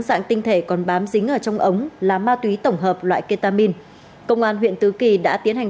dạng tinh thể còn bám dính ở trong ống là ma túy tổng hợp loại ketamin công an huyện tứ kỳ đã tiến hành